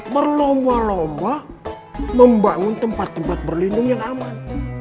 berlomba lomba membangun tempat tempat berlindung yang aman